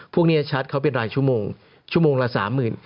พวกนี้ชัดเขาเป็นรายชั่วโมงชั่วโมงละสามหมื่น